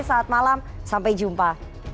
saat malam sampai jumpa